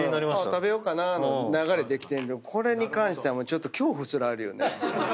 食べようかの流れできてるけどこれに関してはちょっと恐怖すらあるよね。